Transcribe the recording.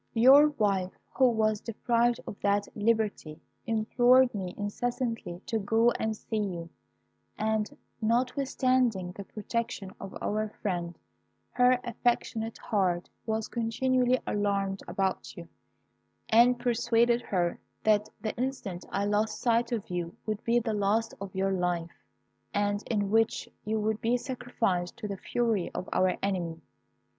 Your wife, who was deprived of that liberty, implored me incessantly to go and see you; and, notwithstanding the protection of our friend, her affectionate heart was continually alarmed about you, and persuaded her that the instant I lost sight of you would be the last of your life, and in which you would be sacrificed to the fury of our enemy.